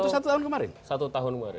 untuk satu tahun kemarin